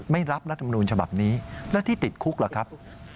ไม่รับรัฐมนูลฉบับนี้แล้วที่ติดคุกล่ะครับ